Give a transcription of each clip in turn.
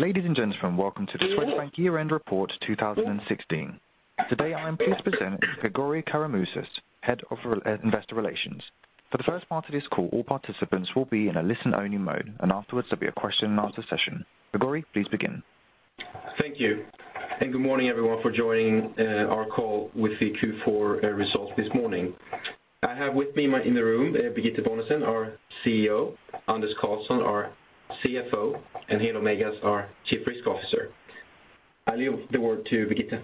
Ladies and gentlemen, welcome to the Swedbank Year-End Report 2016. Today, I am pleased to present Gregori Karamouzis, Head of Investor Relations. For the first part of this call, all participants will be in a listen-only mode, and afterwards, there'll be a question and answer session. Gregori, please begin. Thank you, and good morning, everyone, for joining our call with the Q4 results this morning. I have with me, in the room, Birgitte Bonnesen, our CEO, Anders Karlsson, our CFO, and Helo Meigas, our Chief Risk Officer. I leave the word to Birgitte.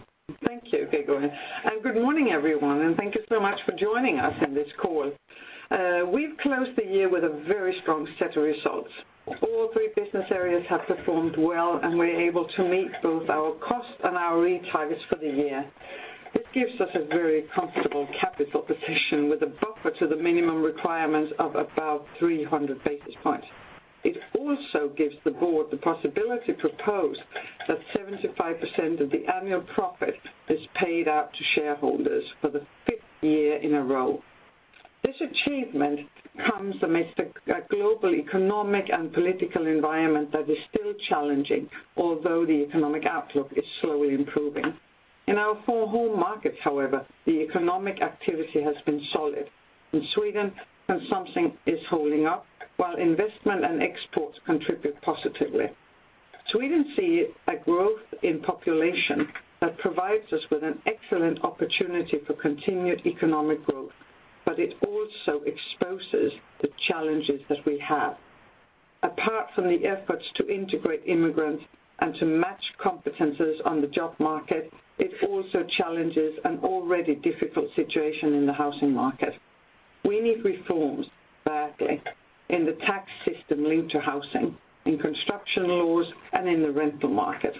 Thank you, Gregori, and good morning, everyone, and thank you so much for joining us on this call. We've closed the year with a very strong set of results. All three business areas have performed well, and we're able to meet both our cost and our retargets for the year. This gives us a very comfortable capital position with a buffer to the minimum requirements of about 300 basis points. It also gives the board the possibility to propose that 75% of the annual profit is paid out to shareholders for the fifth year in a row. This achievement comes amidst a global economic and political environment that is still challenging, although the economic outlook is slowly improving. In our four home markets, however, the economic activity has been solid. In Sweden, consumption is holding up, while investment and exports contribute positively. Sweden see a growth in population that provides us with an excellent opportunity for continued economic growth, but it also exposes the challenges that we have. Apart from the efforts to integrate immigrants and to match competencies on the job market, it also challenges an already difficult situation in the housing market. We need reforms badly in the tax system linked to housing, in construction laws, and in the rental market.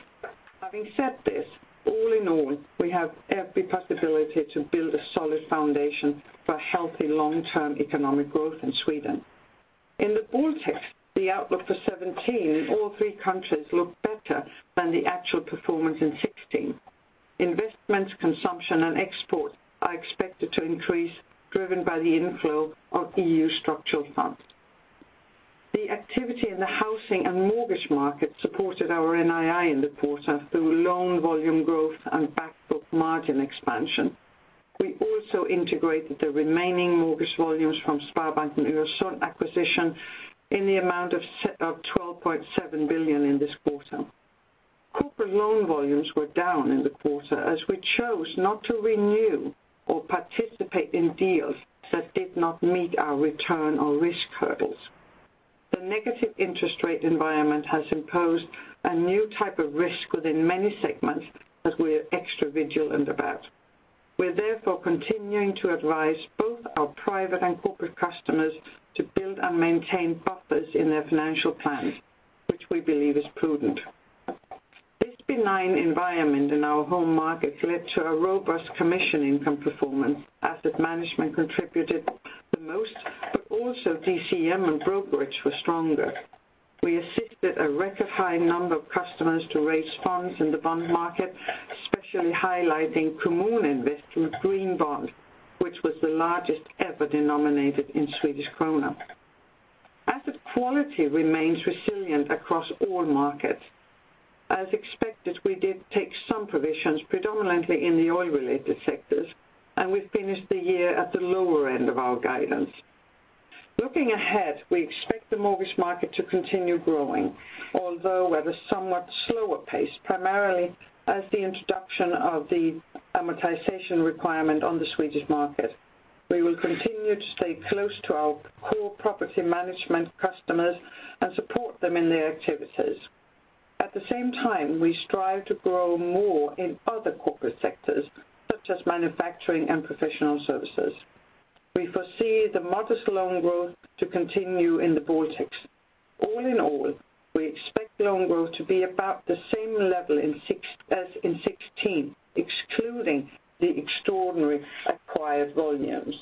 Having said this, all in all, we have every possibility to build a solid foundation for healthy, long-term economic growth in Sweden. In the Baltics, the outlook for 2017 in all three countries looked better than the actual performance in 2016. Investments, consumption, and export are expected to increase, driven by the inflow of EU structural funds. The activity in the housing and mortgage market supported our NII in the quarter through loan volume growth and back book margin expansion. We also integrated the remaining mortgage volumes from Sparbanken Nord acquisition in the amount of 12.7 billion in this quarter. Corporate loan volumes were down in the quarter as we chose not to renew or participate in deals that did not meet our return or risk hurdles. The negative interest rate environment has imposed a new type of risk within many segments that we're extra vigilant about. We're therefore continuing to advise both our private and corporate customers to build and maintain buffers in their financial plans, which we believe is prudent. This benign environment in our home market led to a robust commission income performance. Asset management contributed the most, but also DCM and brokerage were stronger. We assisted a record high number of customers to raise funds in the bond market, especially highlighting Kommuninvest through green bond, which was the largest ever denominated in Swedish krona. Asset quality remains resilient across all markets. As expected, we did take some provisions, predominantly in the oil-related sectors, and we've finished the year at the lower end of our guidance. Looking ahead, we expect the mortgage market to continue growing, although at a somewhat slower pace, primarily as the introduction of the amortization requirement on the Swedish market. We will continue to stay close to our core property management customers and support them in their activities. At the same time, we strive to grow more in other corporate sectors, such as manufacturing and professional services. We foresee the modest loan growth to continue in the Baltics. All in all, we expect loan growth to be about the same level in 2017 as in 2016, excluding the extraordinary acquired volumes.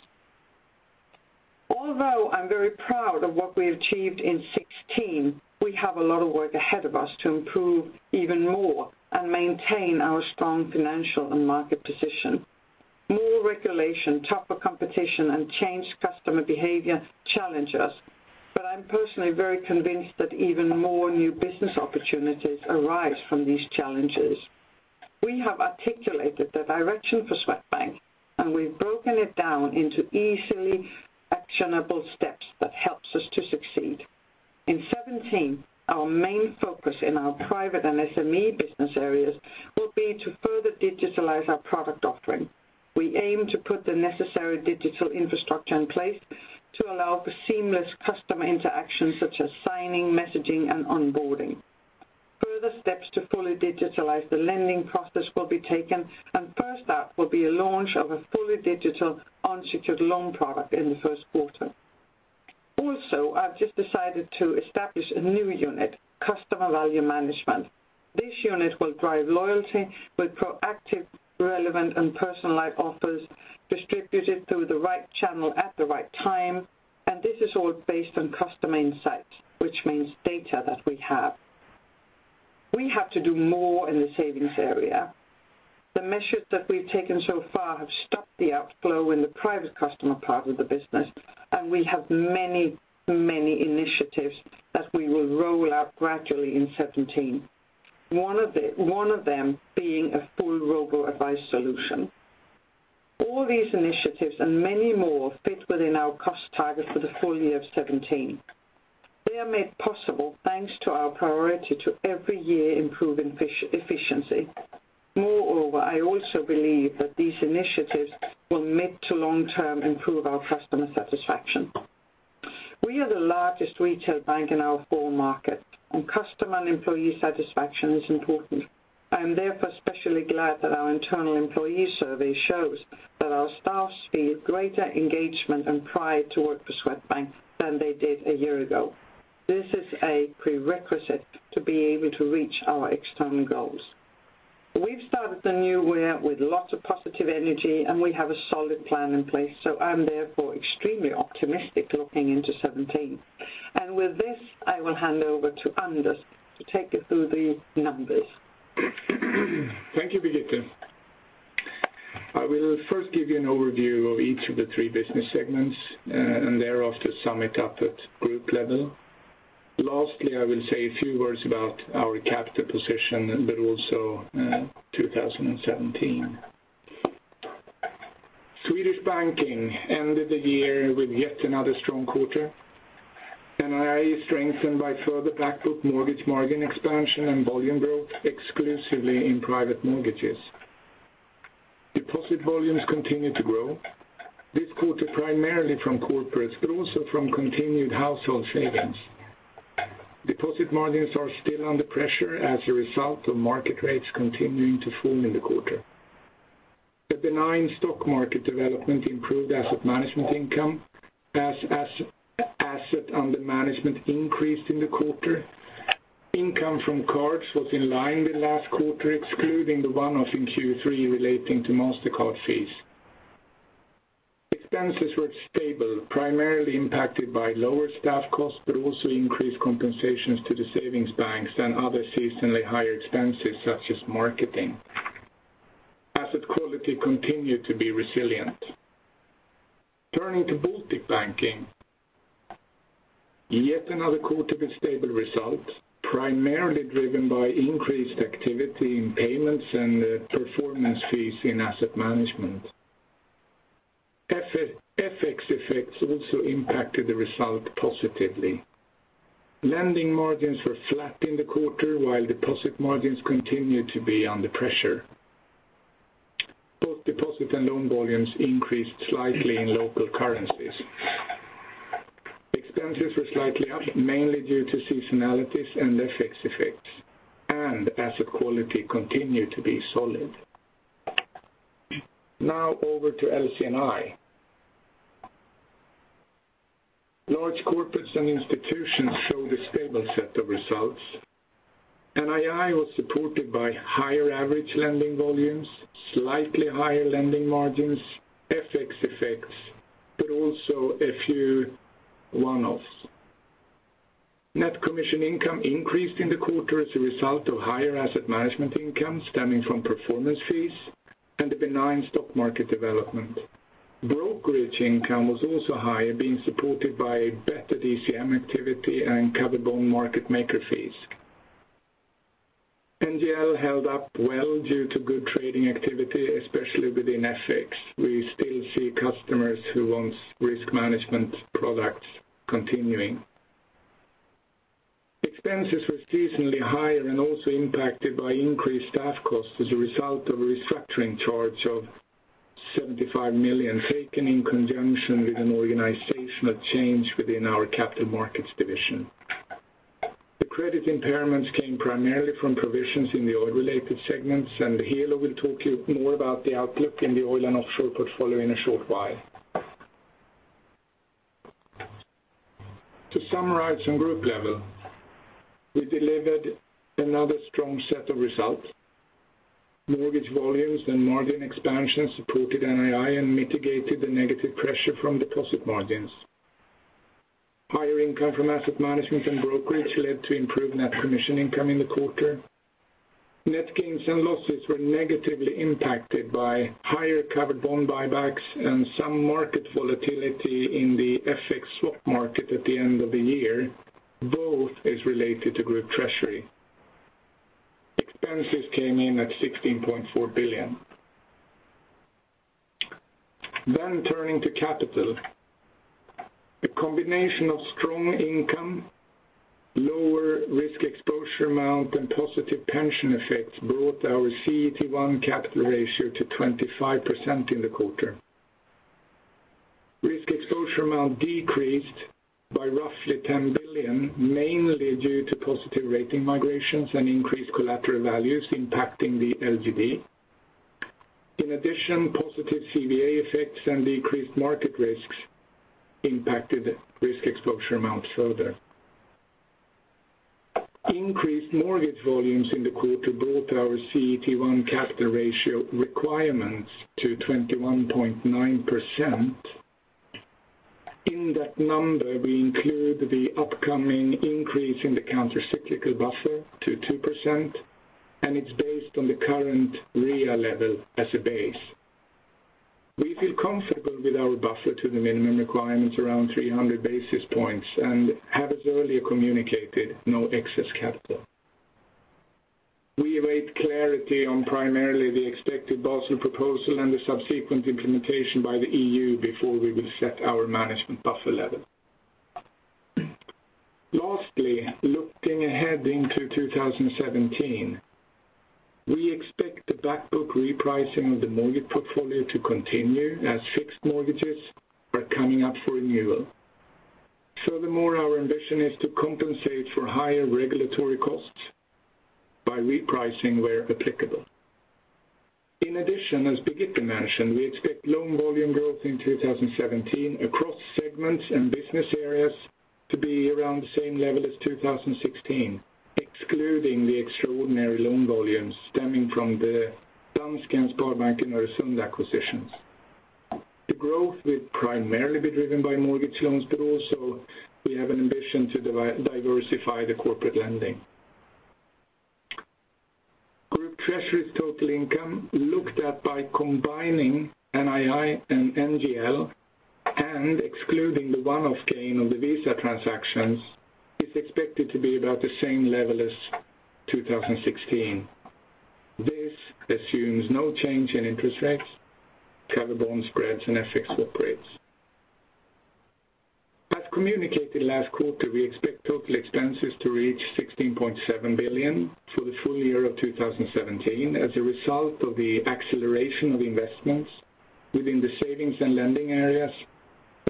Although I'm very proud of what we achieved in 2016, we have a lot of work ahead of us to improve even more and maintain our strong financial and market position. More regulation, tougher competition, and changed customer behavior challenge us, but I'm personally very convinced that even more new business opportunities arise from these challenges. We have articulated the direction for Swedbank, and we've broken it down into easily actionable steps that helps us to succeed. In 2017, our main focus in our private and SME business areas will be to further digitalize our product offering. We aim to put the necessary digital infrastructure in place to allow for seamless customer interaction, such as signing, messaging, and onboarding. Further steps to fully digitalize the lending process will be taken, and first up will be a launch of a fully digital unsecured loan product in the Q1. Also, I've just decided to establish a new unit, Customer Value Management. This unit will drive loyalty with proactive, relevant, and personalized offers distributed through the right channel at the right time, and this is all based on customer insights, which means data that we have. We have to do more in the savings area. The measures that we've taken so far have stopped the outflow in the private customer part of the business, and we have many, many initiatives that we will roll out gradually in 2017. One of them being a full robo-advice solution. All these initiatives and many more fit within our cost target for the full year of 2017. They are made possible, thanks to our priority to every year improving efficiency. Moreover, I also believe that these initiatives will mid- to long-term improve our customer satisfaction. We are the largest retail bank in our home market, and customer and employee satisfaction is important. I am therefore especially glad that our internal employee survey shows that our staff feel greater engagement and pride to work for Swedbank than they did a year ago. This is a prerequisite to be able to reach our external goals. We've started the new year with lots of positive energy, and we have a solid plan in place, so I'm therefore extremely optimistic looking into 2017. With this, I will hand over to Anders to take you through the numbers. Thank you, Birgitte. I will first give you an overview of each of the three business segments, and thereafter, sum it up at group level. Lastly, I will say a few words about our capital position, but also 2017. Swedish Banking ended the year with yet another strong quarter, and NII is strengthened by further back book mortgage margin expansion and volume growth exclusively in private mortgages. Deposit volumes continue to grow. This quarter, primarily from corporates, but also from continued household savings. Deposit margins are still under pressure as a result of market rates continuing to fall in the quarter. The benign stock market development improved asset management income, as assets under management increased in the quarter. Income from cards was in line with last quarter, excluding the one-off in Q3 relating to Mastercard fees. Expenses were stable, primarily impacted by lower staff costs, but also increased compensations to the savings banks and other seasonally higher expenses, such as marketing. Asset quality continued to be resilient. Turning to Baltic Banking, yet another quarter with stable results, primarily driven by increased activity in payments and performance fees in asset management. FX effects also impacted the result positively. Lending margins were flat in the quarter, while deposit margins continued to be under pressure. Both deposit and loan volumes increased slightly in local currencies. Expenses were slightly up, mainly due to seasonalities and FX effects, and asset quality continued to be solid. Now over to LC&I. Large Corporates & Institutions showed a stable set of results. NII was supported by higher average lending volumes, slightly higher lending margins, FX effects, but also a few one-offs. Net commission income increased in the quarter as a result of higher asset management income stemming from performance fees and the benign stock market development. Brokerage income was also higher, being supported by better DCM activity and covered bond market maker fees. NGL held up well due to good trading activity, especially within FX. We still see customers who wants risk management products continuing. Expenses were seasonally higher and also impacted by increased staff costs as a result of a restructuring charge of 75 million, taken in conjunction with an organizational change within our capital markets division. The credit impairments came primarily from provisions in the oil-related segments, and Helo will talk to you more about the outlook in the oil and offshore portfolio in a short while. To summarize on group level, we delivered another strong set of results. Mortgage volumes and margin expansion supported NII and mitigated the negative pressure from deposit margins. Higher income from asset management and brokerage led to improved net commission income in the quarter. Net gains and losses were negatively impacted by higher covered bond buybacks and some market volatility in the FX swap market at the end of the year. Both is related to Group Treasury. Expenses came in at 16.4 billion. Then turning to capital. A combination of strong income, lower risk exposure amount, and positive pension effects brought our CET1 capital ratio to 25% in the quarter. Risk exposure amount decreased by roughly 10 billion, mainly due to positive rating migrations and increased collateral values impacting the LGD. In addition, positive CVA effects and decreased market risks impacted risk exposure amounts further. Increased mortgage volumes in the quarter brought our CET1 capital ratio to 21.9%. In that number, we include the upcoming increase in the countercyclical buffer to 2%, and it's based on the current REA level as a base. We feel comfortable with our buffer to the minimum requirements around 300 basis points, and have as earlier communicated, no excess capital. We await clarity on primarily the expected Basel proposal and the subsequent implementation by the EU before we will set our management buffer level. Lastly, looking ahead into 2017, we expect the back book repricing of the mortgage portfolio to continue as fixed mortgages are coming up for renewal. Furthermore, our ambition is to compensate for higher regulatory costs by repricing where applicable. In addition, as Birgitte mentioned, we expect loan volume growth in 2017 across segments and business areas to be around the same level as 2016, excluding the extraordinary loan volumes stemming from the Sparbanken Nord and Sparbanken Öresund acquisitions. The growth will primarily be driven by mortgage loans, but also we have an ambition to diversify the corporate lending. Group treasury's total income, looked at by combining NII and NGL and excluding the one-off gain on the Visa transactions, is expected to be about the same level as 2016. This assumes no change in interest rates, cover bond spreads, and FX footprints. As communicated last quarter, we expect total expenses to reach 16.7 billion for the full year of 2017 as a result of the acceleration of investments within the savings and lending areas,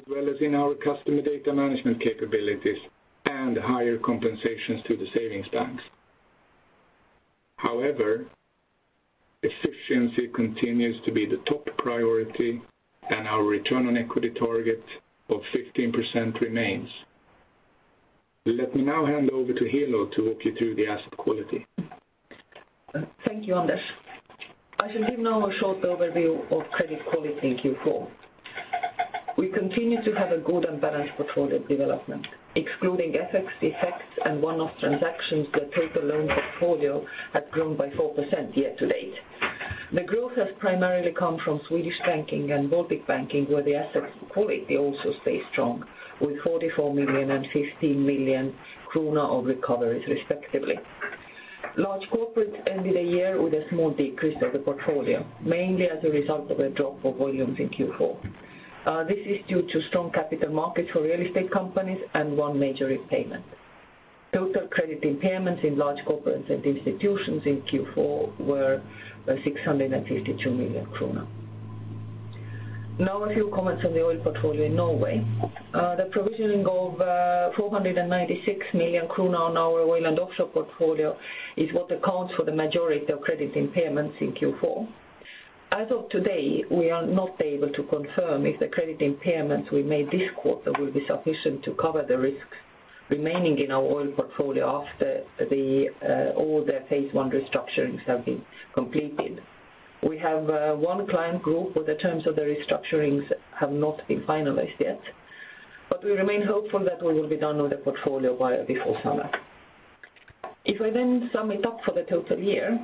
as well as in our customer data management capabilities and higher compensations to the savings banks. However, efficiency continues to be the top priority, and our return on equity target of 15% remains. Let me now hand over to Helo to walk you through the asset quality. Thank you, Anders. I should give now a short overview of credit quality in Q4. We continue to have a good and balanced portfolio development. Excluding FX effects and one-off transactions, the total loan portfolio had grown by 4% year to date. The growth has primarily come from Swedish banking and Baltic banking, where the asset quality also stays strong, with 44 million and 15 million krona of recoveries, respectively. Large Corporates ended the year with a small decrease of the portfolio, mainly as a result of a drop of volumes in Q4. This is due to strong capital markets for real estate companies and one major repayment. Total credit impairments in large corporates and institutions in Q4 were 652 million krona. Now, a few comments on the oil portfolio in Norway. The provisioning of 496 million kronor on our oil and offshore portfolio is what accounts for the majority of credit impairments in Q4. As of today, we are not able to confirm if the credit impairments we made this quarter will be sufficient to cover the risks remaining in our oil portfolio after all the phase one restructurings have been completed. We have one client group where the terms of the restructurings have not been finalized yet, but we remain hopeful that we will be done with the portfolio by before summer. If I then sum it up for the total year,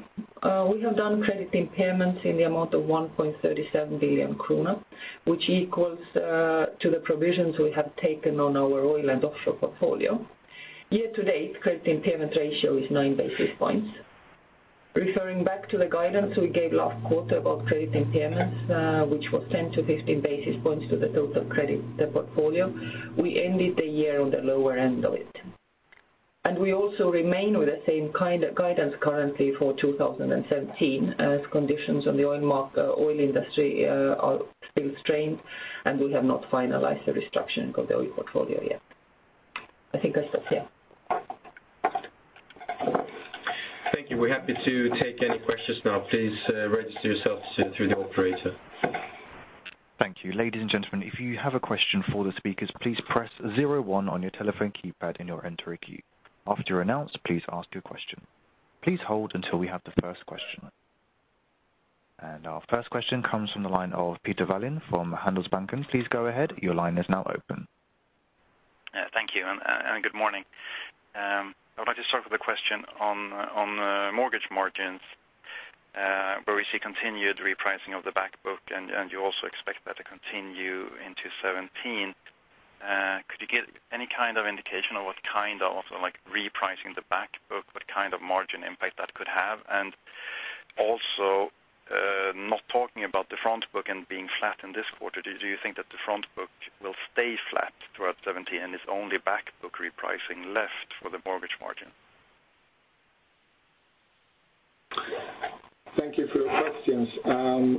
we have done credit impairments in the amount of 1.37 billion krona, which equals to the provisions we have taken on our oil and offshore portfolio. Year to date, credit impairment ratio is nine basis points. Referring back to the guidance we gave last quarter about credit impairments, which was 10-15 basis points to the total credit, the portfolio, we ended the year on the lower end of it. We also remain with the same kind of guidance currently for 2017, as conditions on the oil market, oil industry, are still strained, and we have not finalized the restructuring of the oil portfolio yet. I think that's it, yeah. Thank you. We're happy to take any questions now. Please, register yourselves through the operator. Thank you. Ladies and gentlemen, if you have a question for the speakers, please press zero one on your telephone keypad in your entry queue. After you're announced, please ask your question. Please hold until we have the first question. Our first question comes from the line of Peter Wallin from Handelsbanken. Please go ahead. Your line is now open. Thank you, and good morning. I'd like to start with a question on mortgage margins, where we see continued repricing of the back book, and you also expect that to continue into 2017. Could you give any kind of indication on what kind of, also, like repricing the back book, what kind of margin impact that could have? And also, not talking about the front book and being flat in this quarter, do you think that the front book will stay flat throughout 2017, and it's only back book repricing left for the mortgage margin? Thank you for your questions.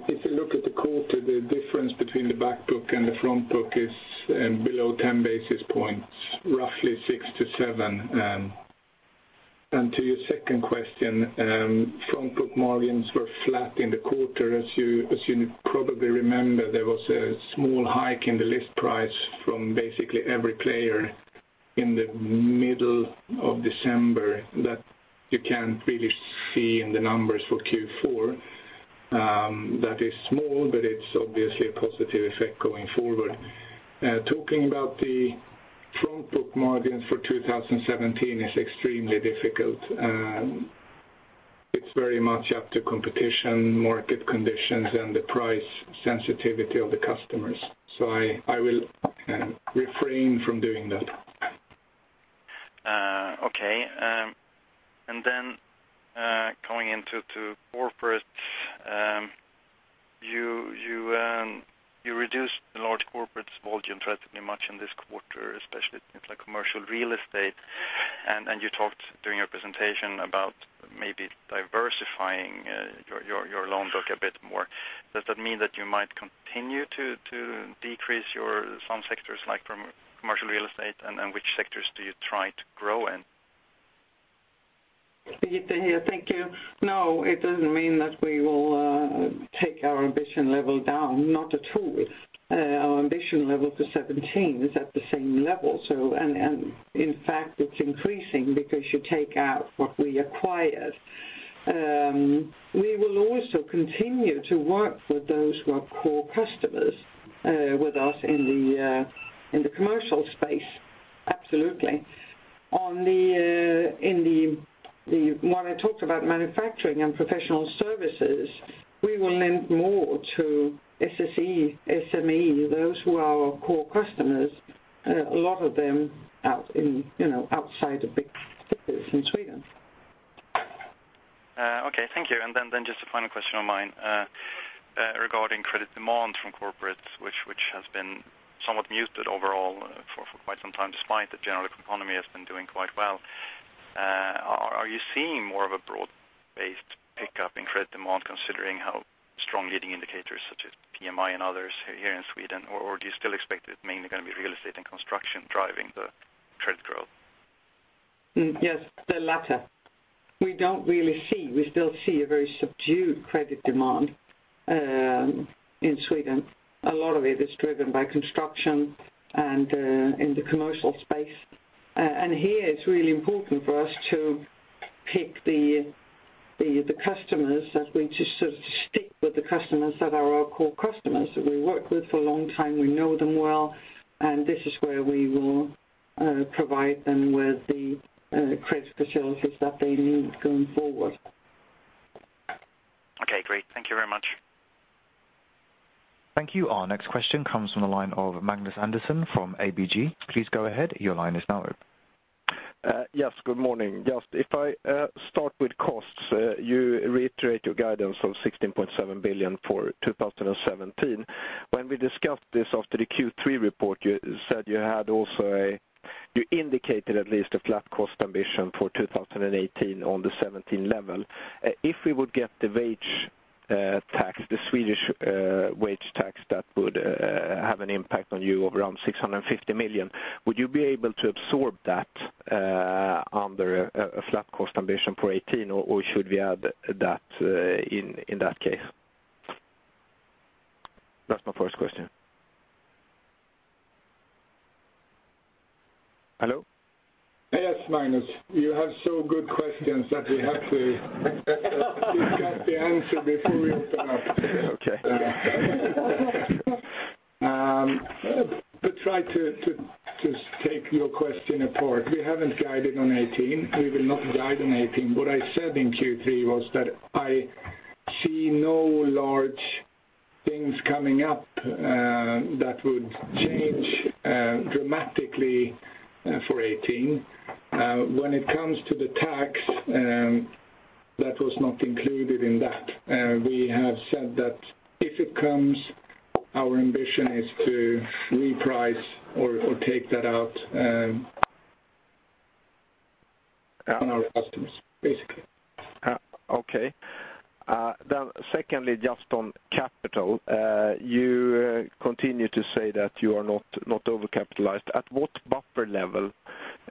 If you look at the quarter, the difference between the back book and the front book is below 10 basis points, roughly six to seven. To your second question, front book margins were flat in the quarter. As you, as you probably remember, there was a small hike in the list price from basically every player in the middle of December that you can't really see in the numbers for Q4. That is small, but it's obviously a positive effect going forward. Talking about the front book margins for 2017 is extremely difficult. It's very much up to competition, market conditions, and the price sensitivity of the customers. So I, I will refrain from doing that. Okay. And then, going into corporates, you reduced the large corporates volume relatively much in this quarter, especially like commercial real estate. And you talked during your presentation about maybe diversifying your loan book a bit more. Does that mean that you might continue to decrease in some sectors, like from commercial real estate, and which sectors do you try to grow in? Thank you. No, it doesn't mean that we will take our ambition level down, not at all. Our ambition level for 2017 is at the same level. So and, and in fact, it's increasing because you take out what we acquired. We will also continue to work with those who are core customers with us in the commercial space, absolutely. On the, in the, the when I talked about manufacturing and professional services, we will lend more to SME, those who are our core customers, a lot of them out in, you know, outside of big cities in Sweden. Okay, thank you. And then just a final question on mine. Regarding credit demand from corporates, which has been somewhat muted overall for quite some time, despite the general economy has been doing quite well. Are you seeing more of a broad-based pickup in credit demand, considering how strong leading indicators such as PMI and others here in Sweden? Or do you still expect it mainly gonna be real estate and construction driving the credit growth? Yes, the latter. We don't really see. We still see a very subdued credit demand in Sweden. A lot of it is driven by construction and in the commercial space. And here, it's really important for us to pick the customers that we just sort of stick with the customers that are our core customers, that we work with for a long time. We know them well, and this is where we will provide them with the credit facilities that they need going forward. Okay, great. Thank you very much. Thank you. Our next question comes from the line of Magnus Andersson from ABG. Please go ahead. Your line is now open. Yes, good morning. Just if I start with costs, you reiterate your guidance of 16.7 billion for 2017. When we discussed this after the Q3 report, you said you had also you indicated at least a flat cost ambition for 2018 on the 2017 level. If we would get the wage tax, the Swedish wage tax, that would have an impact on you of around 650 million, would you be able to absorb that under a flat cost ambition for 2018, or should we add that in that case? That's my first question. Hello? Yes, Magnus, you have so good questions that we have to get the answer before we open up. Okay. But try to take your question apart. We haven't guided on 2018. We will not guide on 2018. What I said in Q3 was that I see no large things coming up that would change dramatically for 2018. When it comes to the tax, that was not included in that. We have said that if it comes, our ambition is to reprice or take that out on our customers, basically. Okay. Then secondly, just on capital, you continue to say that you are not, not overcapitalized. At what buffer level,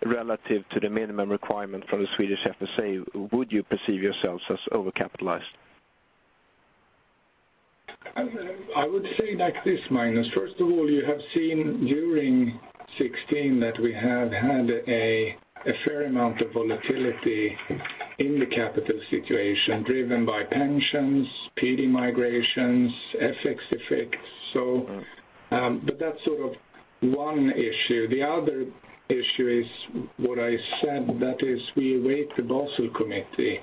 relative to the minimum requirement from the Swedish FSA, would you perceive yourselves as overcapitalized? I would say like this, Magnus. First of all, you have seen during 2016 that we have had a fair amount of volatility in the capital situation, driven by pensions, PD migrations, FX effects. So, but that's sort of one issue. The other issue is what I said, that is, we await the Basel Committee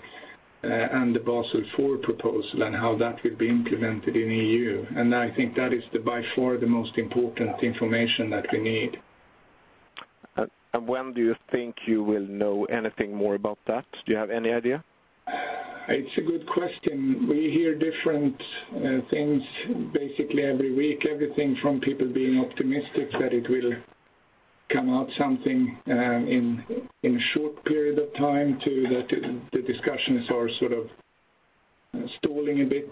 and the Basel IV proposal and how that will be implemented in EU. And I think that is by far the most important information that we need. When do you think you will know anything more about that? Do you have any idea? It's a good question. We hear different things basically every week, everything from people being optimistic that it will come out something in a short period of time, to that the discussions are sort of stalling a bit,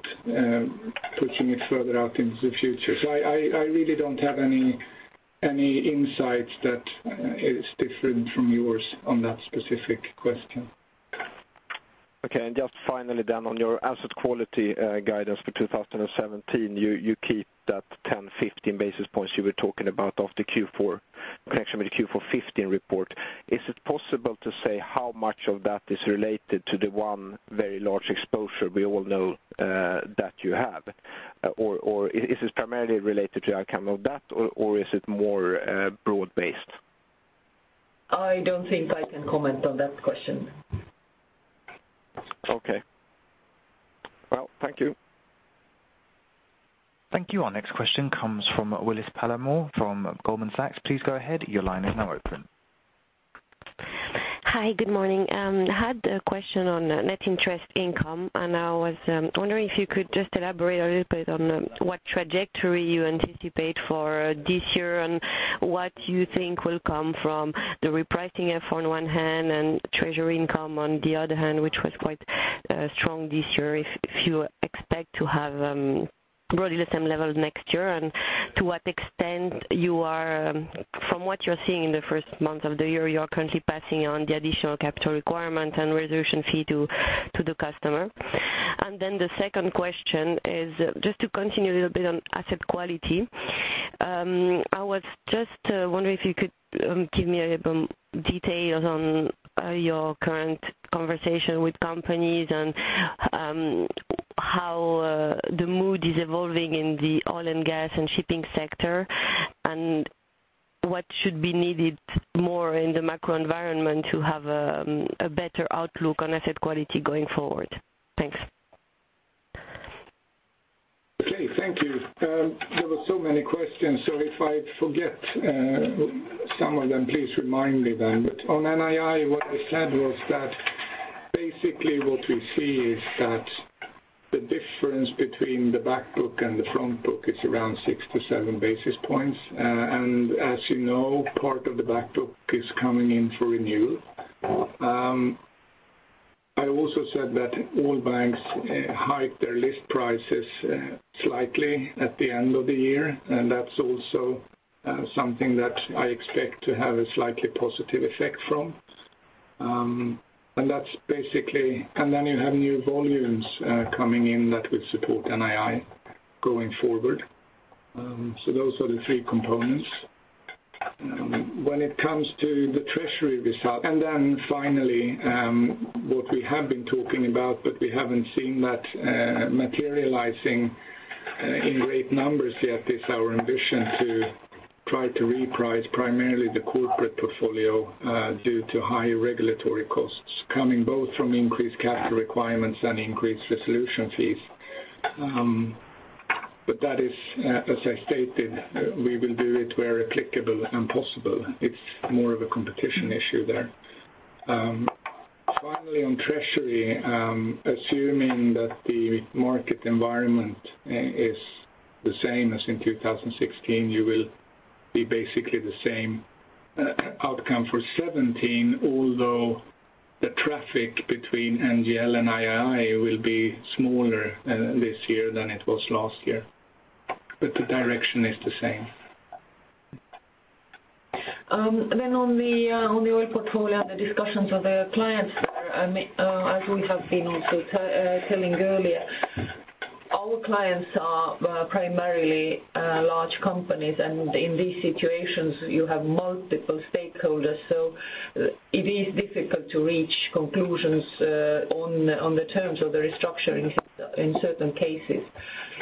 pushing it further out into the future. So I really don't have any insights that is different from yours on that specific question. Okay, and just finally then on your asset quality, guidance for 2017, you keep that 10-15 basis points you were talking about in connection with the Q4 2015 report. Is it possible to say how much of that is related to the one very large exposure we all know that you have? Or is this primarily related to outcome of that, or is it more broad-based? I don't think I can comment on that question. Okay. Well, thank you. Thank you. Our next question comes from Willis Palermo from Goldman Sachs. Please go ahead, your line is now open. Hi, good morning. Had a question on net interest income, and I was wondering if you could just elaborate a little bit on what trajectory you anticipate for this year, and what you think will come from the repricing effort on one hand, and treasury income on the other hand, which was quite strong this year. If you expect to have broadly the same level next year, and to what extent you are, from what you're seeing in the first month of the year, you are currently passing on the additional capital requirement and resolution fee to the customer. And then the second question is just to continue a little bit on asset quality. I was just wondering if you could give me a little details on your current conversation with companies, and how the mood is evolving in the oil and gas and shipping sector? What should be needed more in the macro environment to have a better outlook on asset quality going forward? Thanks. Okay, thank you. There were so many questions, so if I forget some of them, please remind me then. But on NII, what I said was that basically what we see is that the difference between the back book and the front book is around six to seven basis points. And as you know, part of the back book is coming in for renewal. I also said that all banks hike their list prices slightly at the end of the year, and that's also something that I expect to have a slightly positive effect from. And that's basically. And then you have new volumes coming in that will support NII going forward. So those are the three components. When it comes to the treasury result. And then finally, what we have been talking about, but we haven't seen that materializing in great numbers yet, is our ambition to try to reprice primarily the corporate portfolio due to higher regulatory costs coming both from increased capital requirements and increased resolution fees. But that is, as I stated, we will do it where applicable and possible. It's more of a competition issue there. Finally, on treasury, assuming that the market environment is the same as in 2016, you will be basically the same outcome for 2017. Although the traffic between NGL and NII will be smaller this year than it was last year. But the direction is the same. Then on the oil portfolio and the discussions with our clients there, I mean, as we have been also telling earlier, our clients are primarily large companies, and in these situations, you have multiple stakeholders. So it is difficult to reach conclusions on the terms of the restructuring in certain cases,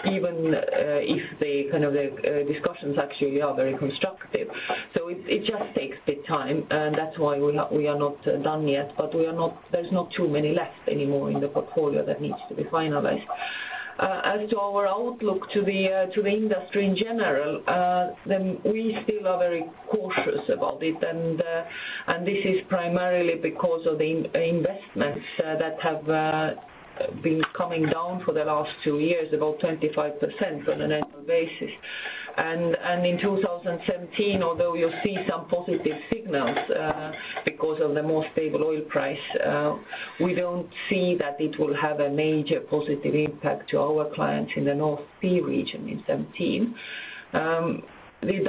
even if the kind of the discussions actually are very constructive. So it just takes a bit time, and that's why we are not done yet. But we are not, there's not too many left anymore in the portfolio that needs to be finalized. As to our outlook to the industry in general, then we still are very cautious about it. This is primarily because of the investments that have been coming down for the last two years, about 25% on an annual basis. In 2017, although you'll see some positive signals because of the more stable oil price, we don't see that it will have a major positive impact to our clients in the North Sea region in 2017. The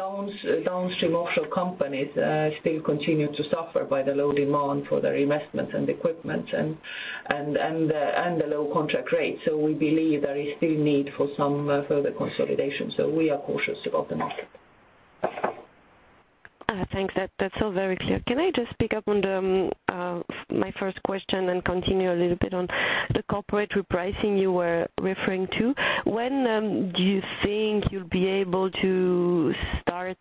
downstream offshore companies still continue to suffer by the low demand for their investments and equipment and the low contract rates. So we believe there is still need for some further consolidation, so we are cautious about the market. Thanks. That's all very clear. Can I just pick up on the, my first question and continue a little bit on the corporate repricing you were referring to? When, do you think you'll be able to start,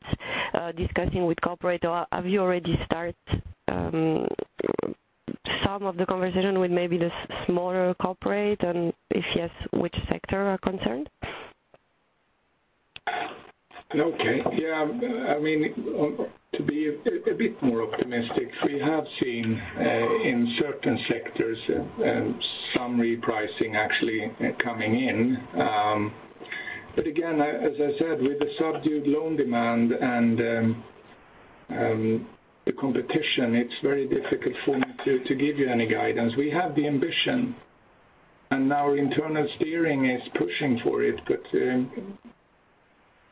discussing with corporate, or have you already start, some of the conversation with maybe the smaller corporate? And if yes, which sector are concerned? Okay. Yeah, I mean, to be a bit more optimistic, we have seen in certain sectors some repricing actually coming in. But again, as I said, with the subdued loan demand and the competition, it's very difficult for me to give you any guidance. We have the ambition and our internal steering is pushing for it, but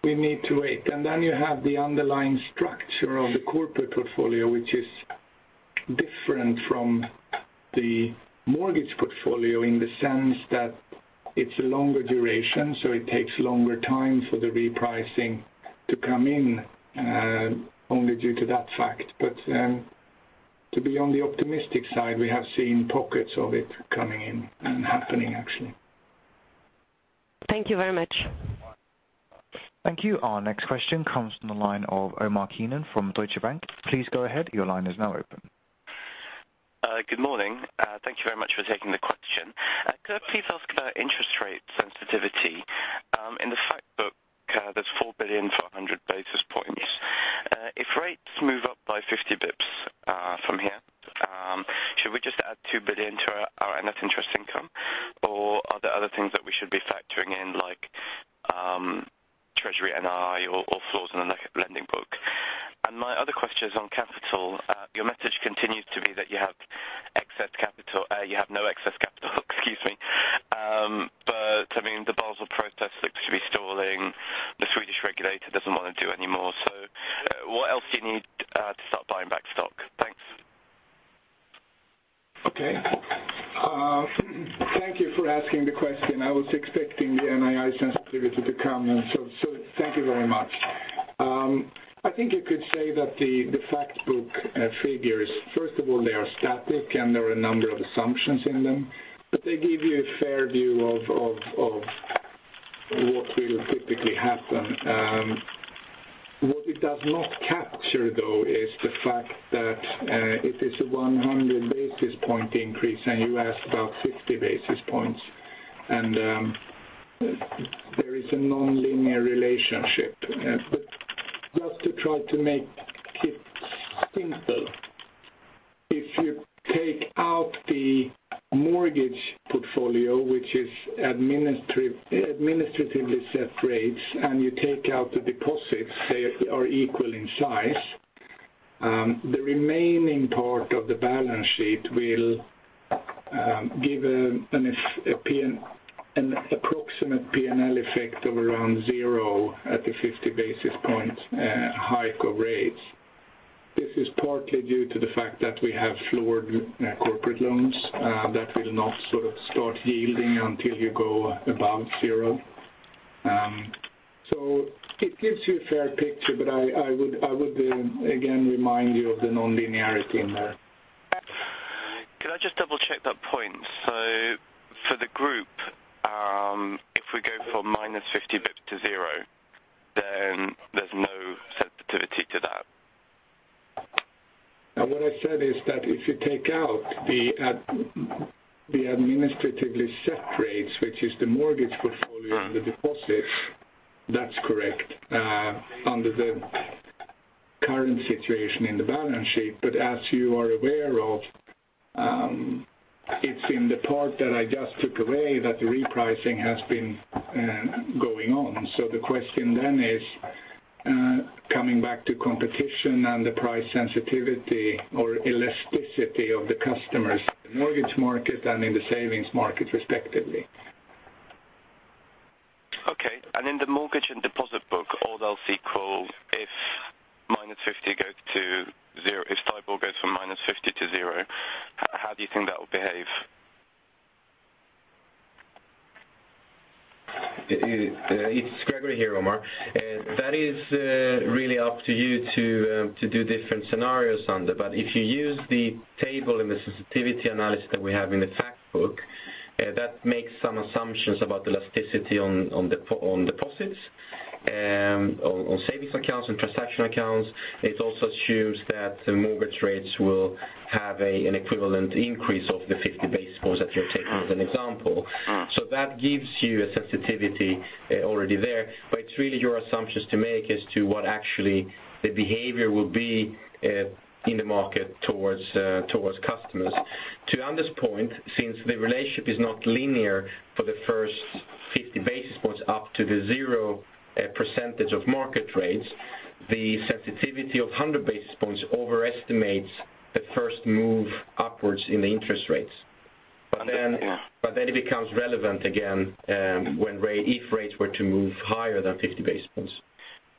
we need to wait. And then you have the underlying structure of the corporate portfolio, which is different from the mortgage portfolio in the sense that it's a longer duration, so it takes longer time for the repricing to come in, only due to that fact. But to be on the optimistic side, we have seen pockets of it coming in and happening actually. Thank you very much. Thank you. Our next question comes from the line of Omar Keenan from Deutsche Bank. Please go ahead. Your line is now open. Good morning. Thank you very much for taking the question. Could I please ask about interest rate sensitivity? In the Factbook, there's 4 billion for 100 basis points. If rates move up by 50 basis points from here, should we just add 2 billion to our, our net interest income, or are there other things that we should be factoring in, like, treasury NII or, or floors in the lending book? And my other question is on capital. Your message continues to be that you have excess capital, you have no excess capital, excuse me. But I mean, the Basel process looks to be stalling. The Swedish regulator doesn't wanna do anymore, so, what else do you need, to start buying back stock? Thanks. Okay. Thank you for asking the question. I was expecting the NII sensitivity to come, and so, so thank you very much. I think you could say that the Factbook figures, first of all, they are static, and there are a number of assumptions in them. But they give you a fair view of, of, of what will typically happen. What it does not capture, though, is the fact that, if it's a 100 basis point increase, and you asked about 50 basis points, and, there is a nonlinear relationship. But just to try to make it simple, if you take out the mortgage portfolio, which is administratively set rates, and you take out the deposits, they are equal in size, the remaining part of the balance sheet will give an approximate P&L effect of around zero at the fifty basis points hike of rates. This is partly due to the fact that we have floored corporate loans that will not sort of start yielding until you go above zero. So it gives you a fair picture, but I would again remind you of the nonlinearity in there. Can I just double-check that point? So for the group, if we go from 50 basis points to zero, then there's no sensitivity to that? Now, what I said is that if you take out the ad, the administratively set rates, which is the mortgage portfolio and the deposits, that's correct, under the current situation in the balance sheet. But as you are aware of, it's in the part that I just took away, that the repricing has been, going on. So the question then is, coming back to competition and the price sensitivity or elasticity of the customers in the mortgage market and in the savings market, respectively. Okay, and in the mortgage and deposit book, all else equal, if -50 goes to zero, if STIBOR goes from -50 to zero, how do you think that will behave? It's Gregori here, Omar. That is really up to you to do different scenarios on there. But if you use the table in the sensitivity analysis that we have in the Factbook, that makes some assumptions about the elasticity on deposits, on savings accounts and transaction accounts. It also assumes that the mortgage rates will have an equivalent increase of the 50 basis points that you're taking as an example. So that gives you a sensitivity already there, but it's really your assumptions to make as to what actually the behavior will be in the market towards customers. To Anders' point, since the relationship is not linear for the first 50 basis points up to the 0% of market rates, the sensitivity of 100 basis points overestimates the first move upwards in the interest rates. But then it becomes relevant again, when rate, if rates were to move higher than 50 basis points.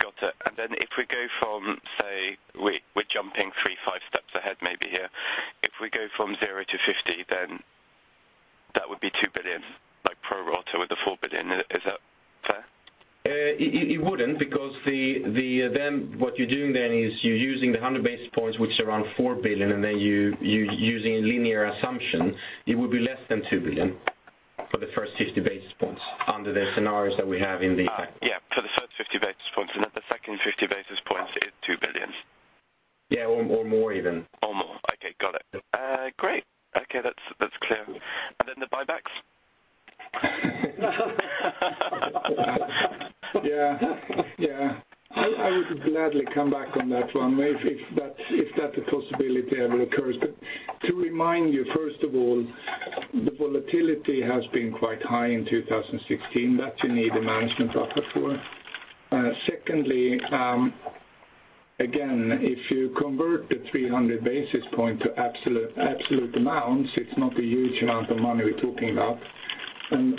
Got it. And then if we go from, say we're jumping three, five steps ahead, maybe here. If we go from zero to 50, then that would be 2 billion, like, pro rata with the 4 billion. Is that fair? It wouldn't because what you're doing then is you're using the 100 basis points, which is around 4 billion, and then you using a linear assumption, it would be less than 2 billion for the first 50 basis points under the scenarios that we have in the- Yeah, for the first 50 basis points, and then the second 50 basis points is 2 billion. Yeah, or more even. Or more. Okay, got it. Yep. Great! Okay, that's, that's clear. And then the buybacks? Yeah. I would gladly come back on that one if that possibility ever occurs. But to remind you, first of all, the volatility has been quite high in 2016. That you need a management buffer for. Secondly, again, if you convert the 300 basis point to absolute amounts, it's not a huge amount of money we're talking about. And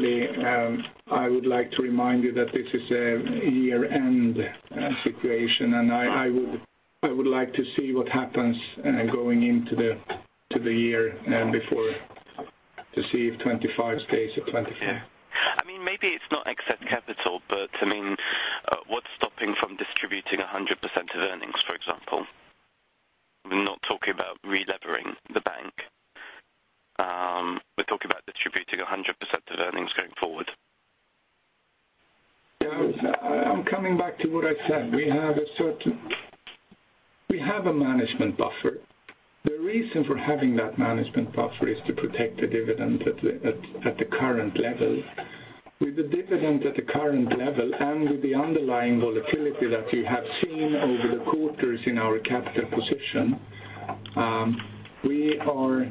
thirdly, I would like to remind you that this is a year-end situation, and I would like to see what happens going into the year and before to see if 25 stays at 25. I mean, maybe it's not excess capital, but, I mean, what's stopping from distributing 100% of earnings, for example? We're not talking about relevering the bank. We're talking about distributing 100% of earnings going forward. Yeah, I'm coming back to what I said. We have a management buffer. The reason for having that management buffer is to protect the dividend at the current level. With the dividend at the current level and with the underlying volatility that you have seen over the quarters in our capital position, we are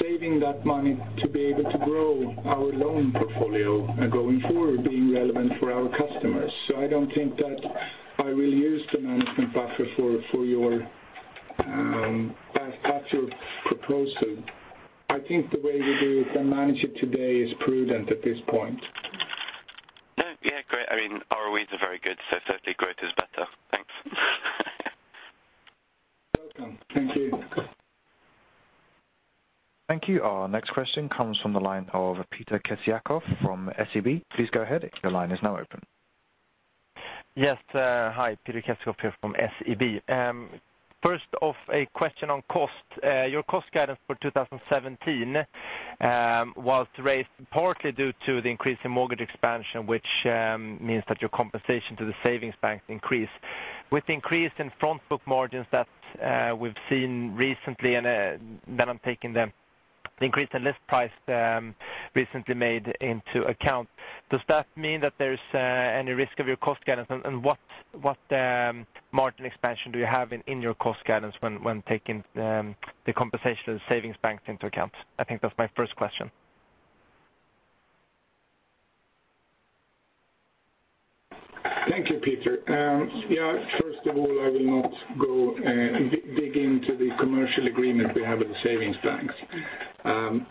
saving that money to be able to grow our loan portfolio going forward, being relevant for our customers. So I don't think that I will use the management buffer for your proposal. I think the way we do it and manage it today is prudent at this point. No, yeah, great. I mean, ROEs are very good, so certainly growth is better. Thanks. Welcome. Thank you. Thank you. Our next question comes from the line of Peter Kessiakoff from SEB. Please go ahead. Your line is now open. Yes, hi, Peter Kessiakoff here from SEB. First off, a question on cost. Your cost guidance for 2017 was raised partly due to the increase in mortgage expansion, which means that your compensation to the savings banks increased. With the increase in front book margins that we've seen recently, and then I'm taking the increase in list price recently made into account, does that mean that there's any risk of your cost guidance? And what margin expansion do you have in your cost guidance when taking the compensation and savings banks into account? I think that's my first question. Thank you, Peter. Yeah, first of all, I will not go and dig into the commercial agreement we have with the savings banks. And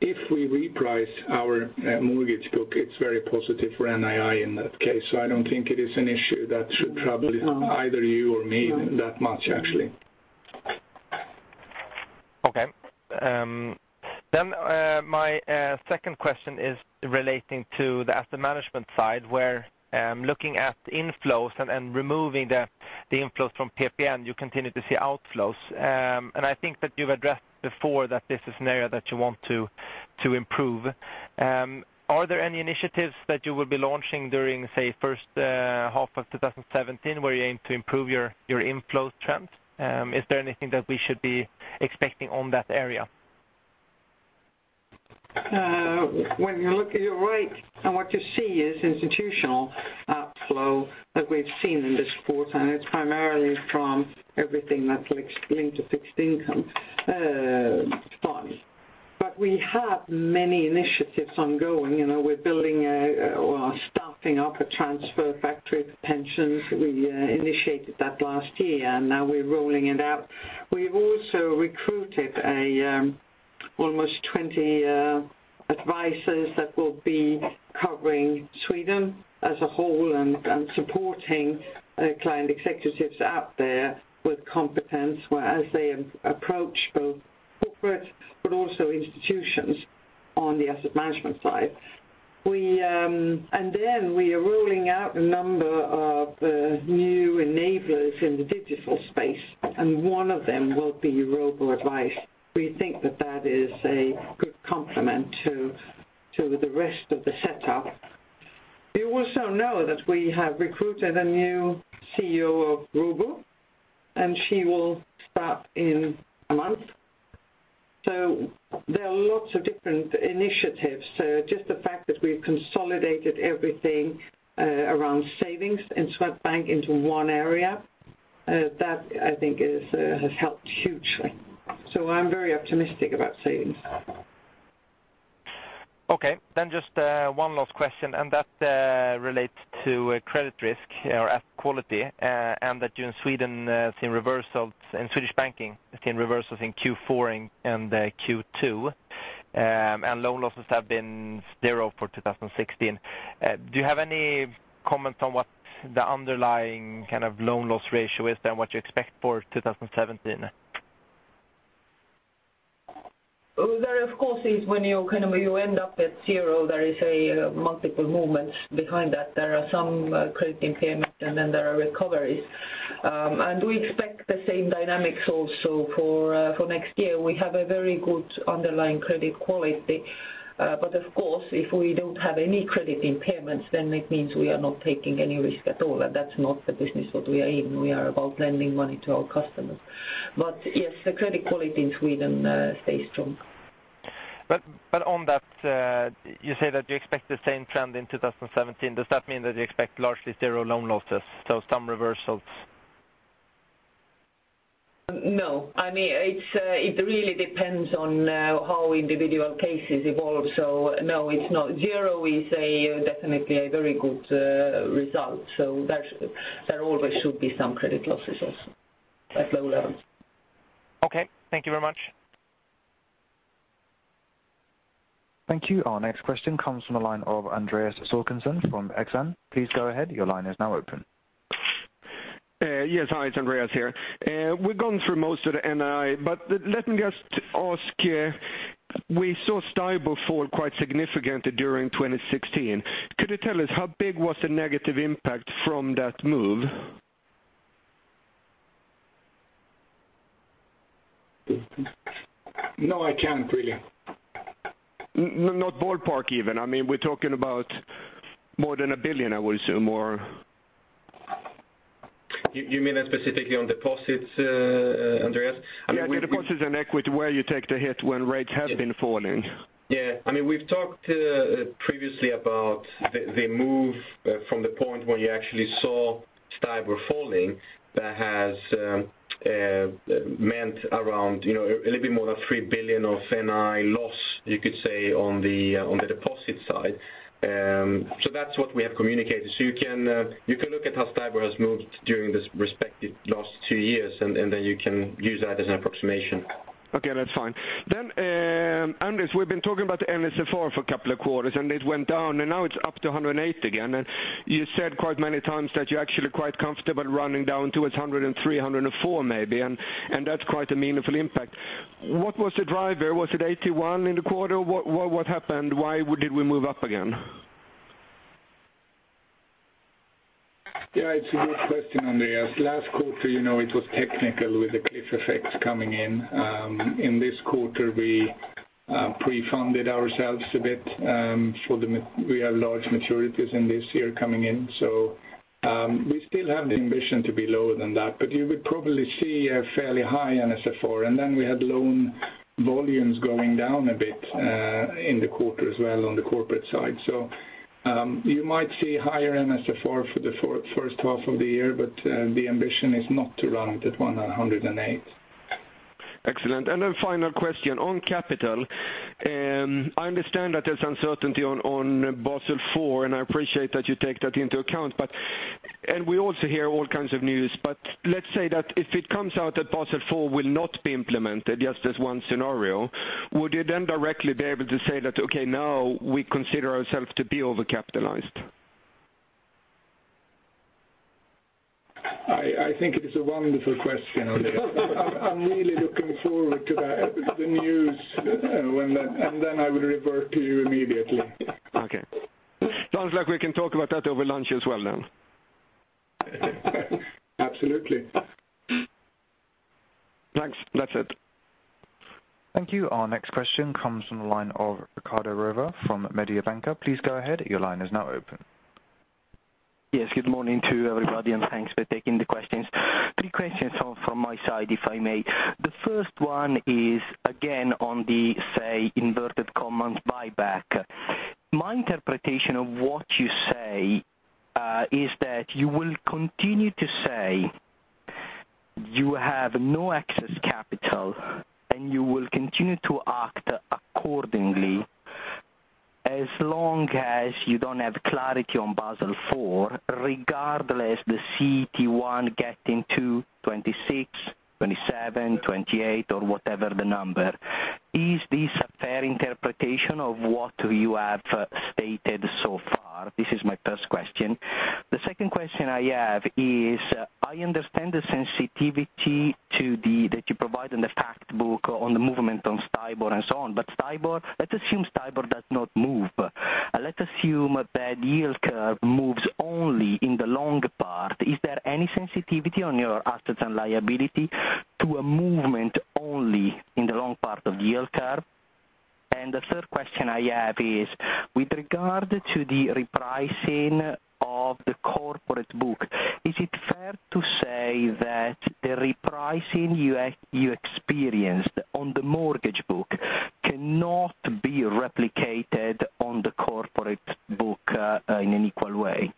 if we reprice our mortgage book, it's very positive for NII in that case, so I don't think it is an issue that should trouble either you or me that much, actually. Okay. Then, my second question is relating to the asset management side, where, looking at inflows and removing the inflows from PPM, you continue to see outflows. And I think that you've addressed before that this is an area that you want to improve. Are there any initiatives that you will be launching during, say, first half of 2017, where you aim to improve your inflow trends? Is there anything that we should be expecting on that area? When you look, you're right, and what you see is institutional outflow that we've seen in this quarter, and it's primarily from everything that's linked to fixed income funds. But we have many initiatives ongoing. You know, we're building or staffing up a transfer factory for pensions. We initiated that last year, and now we're rolling it out. We've also recruited almost 20 advisors that will be covering Sweden as a whole and supporting client executives out there with competence, whereas they approach both corporate but also institutions on the asset management side. And then we are rolling out a number of new enablers in the digital space, and one of them will be robo-advice. We think that that is a good complement to the rest of the setup. You also know that we have recruited a new CEO of Robo, and she will start in a month. So there are lots of different initiatives. So just the fact that we've consolidated everything, around savings in Swedbank into one area, that I think is, has helped hugely. So I'm very optimistic about savings. Okay, then just one last question, and that relates to credit risk or asset quality, and that you in Sweden seen reversals in Swedish Banking, have seen reversals in Q4 and Q2, and loan losses have been zero for 2016. Do you have any comments on what the underlying kind of loan loss ratio is than what you expect for 2017? There, of course, is when you kind of end up at zero, there is a multiple movements behind that. There are some credit impairment, and then there are recoveries. And we expect the same dynamics also for next year. We have a very good underlying credit quality, but of course, if we don't have any credit impairments, then it means we are not taking any risk at all, and that's not the business that we are in. We are about lending money to our customers. But yes, the credit quality in Sweden stays strong. But on that, you say that you expect the same trend in 2017. Does that mean that you expect largely zero loan losses, so some reversals? No. I mean, it's, it really depends on, how individual cases evolve. So no, it's not. Zero is definitely a very good result. So that's, there always should be some credit losses also, at low levels. Okay, thank you very much. Thank you. Our next question comes from the line of Andreas Håkansson from Exane. Please go ahead. Your line is now open. Yes, hi, it's Andreas here. We've gone through most of the NII, but let me just ask you, we saw STIBOR fall quite significantly during 2016. Could you tell us how big was the negative impact from that move? No, I can't really. Not ballpark even. I mean, we're talking about more than 1 billion, I would assume, or? You, you mean specifically on deposits, Andreas? I mean, we- Yeah, the deposits and equity, where you take the hit when rates have been falling. Yeah. I mean, we've talked previously about the move from the point where you actually saw STIBOR was falling. That has meant around, you know, a little bit more than 3 billion of NII loss, you could say, on the deposit side. So that's what we have communicated. So you can look at how STIBOR has moved during this respective last two years, and then you can use that as an approximation. Okay, that's fine. Then, Anders, we've been talking about the NSFR for a couple of quarters, and it went down, and now it's up to 108 again. And you said quite many times that you're actually quite comfortable running down to 103, 104 maybe, and, and that's quite a meaningful impact. What was the driver? Was it 81 in the quarter? What, what, what happened? Why did we move up again? Yeah, it's a good question, Andreas. Last quarter, you know, it was technical with the cliff effects coming in. In this quarter, we pre-funded ourselves a bit, for we have large maturities in this year coming in. So, we still have the ambition to be lower than that, but you would probably see a fairly high NSFR. And then we had loan volumes going down a bit in the quarter as well on the corporate side. So, you might see higher NSFR for the H1 of the year, but the ambition is not to run it at 108. Excellent. And a final question on capital. I understand that there's uncertainty on Basel IV, and I appreciate that you take that into account. We also hear all kinds of news. But let's say that if it comes out that Basel IV will not be implemented, just as one scenario, would you then directly be able to say that, Okay, now we consider ourselves to be overcapitalized? I think it is a wonderful question, Andreas. I'm really looking forward to that, the news, when that, and then I will revert to you immediately. Okay. Sounds like we can talk about that over lunch as well, then. Absolutely. Thanks. That's it. Thank you. Our next question comes from the line of Riccardo Rovere from Mediobanca. Please go ahead. Your line is now open. Yes, good morning to everybody, and thanks for taking the questions. Three questions from my side, if I may. The first one is, again, on the, say, inverted commas, buyback. My interpretation of what you say is that you will continue to say you have no excess capital, and you will continue to act accordingly as long as you don't have clarity on Basel IV, regardless the CET1 getting to 26, 27, 28 or whatever the number. Is this a fair interpretation of what you have stated so far? This is my first question. The second question I have is, I understand the sensitivity to the, that you provide in the Factbook on the movement on STIBOR and so on. But STIBOR, let's assume STIBOR does not move. Let's assume that yield curve moves only in the long part. Is there any sensitivity on your assets and liability to a movement only in the long part of the yield curve? And the third question I have is, with regard to the repricing of the corporate book, is it fair to say that the repricing you experienced on the mortgage book cannot be replicated on the corporate book in an equal way?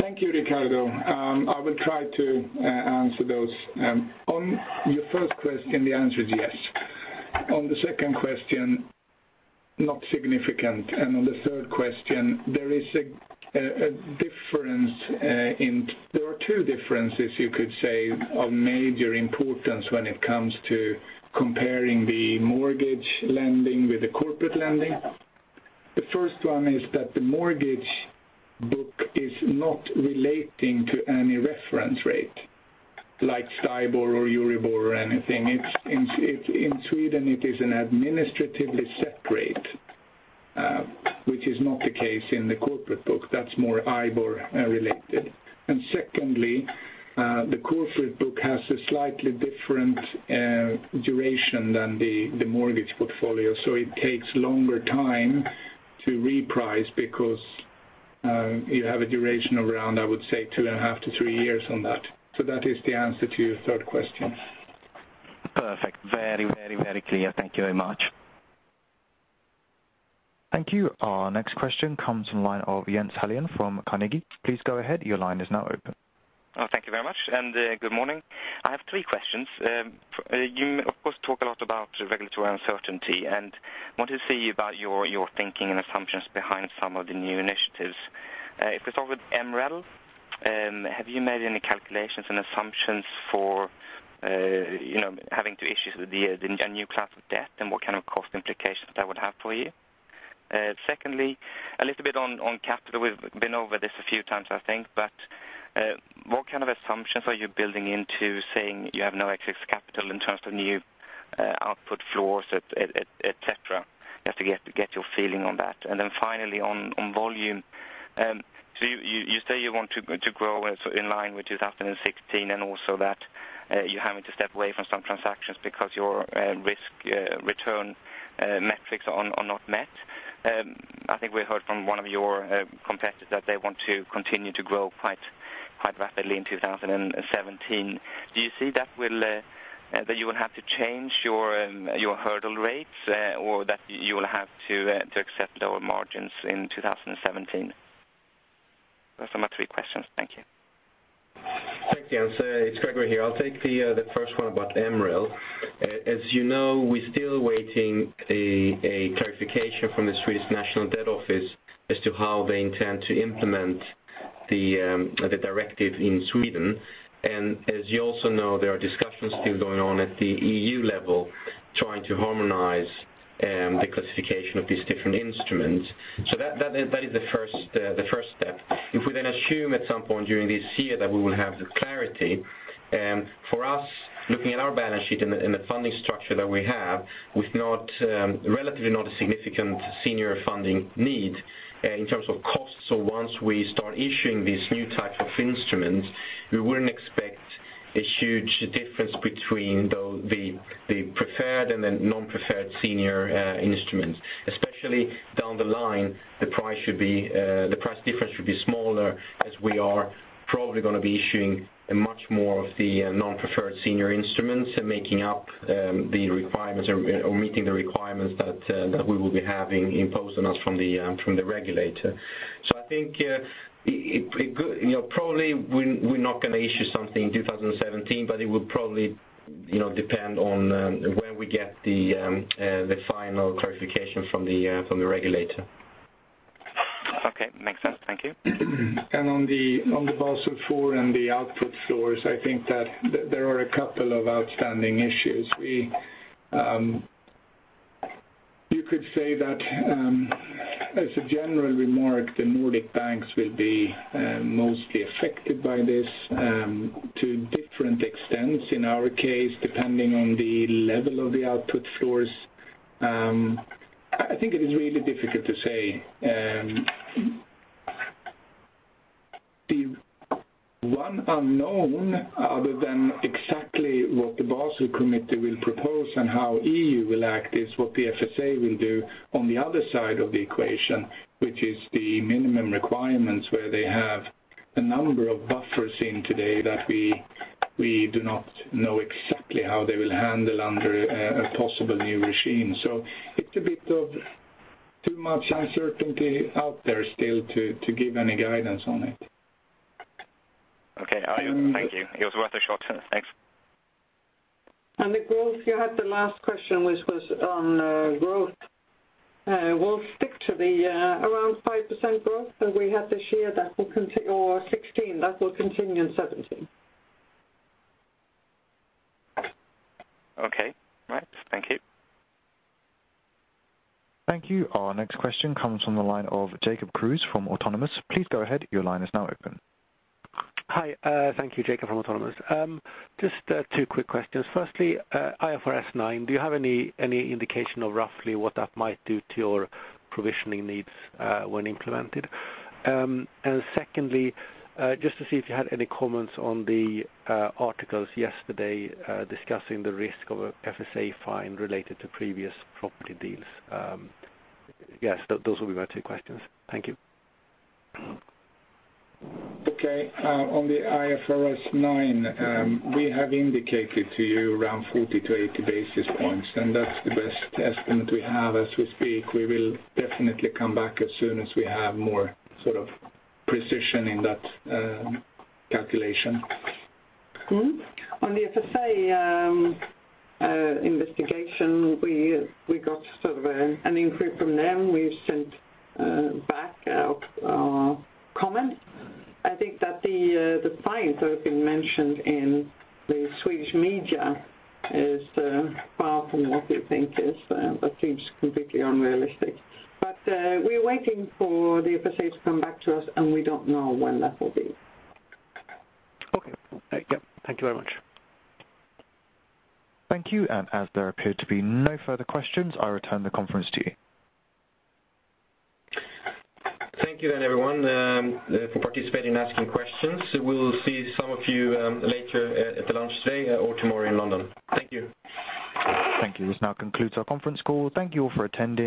Thanks. Thank you, Riccardo. I will try to answer those. On your first question, the answer is yes. On the second question, not significant. And on the third question, there is a difference. There are two differences, you could say, of major importance when it comes to comparing the mortgage lending with the corporate lending. The first one is that the mortgage book is not relating to any reference rate, like STIBOR or EURIBOR or anything. It's in Sweden; it is an administratively set rate, which is not the case in the corporate book. That's more IBOR related. And secondly, the corporate book has a slightly different duration than the mortgage portfolio, so it takes longer time to reprice because you have a duration around, I would say, 2.5 to 3 years on that. So that is the answer to your third question. Perfect. Very, very, very clear. Thank you very much. Thank you. Our next question comes from the line of Jens Hallén from Carnegie. Please go ahead. Your line is now open. Oh, thank you very much, and, good morning. I have three questions. You of course talk a lot about regulatory uncertainty, and I want to see about your, your thinking and assumptions behind some of the new initiatives. If we start with MREL, have you made any calculations and assumptions for, you know, having to issue with the, a new class of debt, and what kind of cost implications that would have for you? Secondly, a little bit on, on capital. We've been over this a few times, I think, but, what kind of assumptions are you building into saying you have no excess capital in terms of new, output floors, et cetera? Just to get your feeling on that. And then finally, on, on volume. So you say you want to grow in line with 2016, and also that you're having to step away from some transactions because your risk return metrics are not met. I think we heard from one of your competitors that they want to continue to grow quite rapidly in 2017. Do you see that you will have to change your hurdle rates, or that you will have to accept lower margins in 2017? Those are my three questions. Thank you. Thanks, Jens. It's Gregori here. I'll take the first one about MREL. As you know, we're still waiting a clarification from the Swedish National Debt Office as to how they intend to implement the directive in Sweden. And as you also know, there are discussions still going on at the EU level, trying to harmonize the classification of these different instruments. So that is the first step. If we then assume at some point during this year that we will have the clarity, for us, looking at our balance sheet and the funding structure that we have, with not relatively not a significant senior funding need in terms of costs. So once we start issuing these new types of instruments, we wouldn't expect a huge difference between the preferred and the non-preferred senior instruments. Especially down the line, the price difference should be smaller, as we are probably gonna be issuing much more of the non-preferred senior instruments, making up the requirements or meeting the requirements that we will be having imposed on us from the regulator. So I think it's good. You know, probably we're not gonna issue something in 2017, but it would probably, you know, depend on when we get the final clarification from the regulator. Okay, makes sense. Thank you. On the Basel IV and the output floors, I think that there are a couple of outstanding issues. We, you could say that, as a general remark, the Nordic banks will be mostly affected by this to different extents. In our case, depending on the level of the output floors, I think it is really difficult to say. The one unknown, other than exactly what the Basel Committee will propose and how EU will act, is what the FSA will do on the other side of the equation, which is the minimum requirements, where they have a number of buffers in today that we do not know exactly how they will handle under a possible new regime. So it's a bit of too much uncertainty out there still to give any guidance on it. Okay, thank you. It was worth a shot. Thanks. The growth. You had the last question, which was on growth. We'll stick to the around 5% growth that we had this year 2016 that will continue in 2017. Okay, all right. Thank you. Thank you. Our next question comes from the line of Jacob Kruse from Autonomous. Please go ahead. Your line is now open. Hi, thank you. Jacob Kruse from Autonomous. Just two quick questions. Firstly, IFRS 9, do you have any indication of roughly what that might do to your provisioning needs when implemented? And secondly, just to see if you had any comments on the articles yesterday discussing the risk of a FSA fine related to previous property deals. Yes, those will be my two questions. Thank you. Okay, on the IFRS 9, we have indicated to you around 40 to 80 basis points, and that's the best estimate we have as we speak. We will definitely come back as soon as we have more sort of precision in that, calculation. On the FSA investigation, we got sort of an input from them. We've sent back our comment. I think that the fines that have been mentioned in the Swedish media is far from what we think is that seems completely unrealistic. But we're waiting for the FSA to come back to us, and we don't know when that will be. Okay. Yep. Thank you very much. Thank you, and as there appear to be no further questions, I return the conference to you. Thank you, then, everyone, for participating and asking questions. We will see some of you, later at the lunch today or tomorrow in London. Thank you. Thank you. This now concludes our conference call. Thank you all for attending.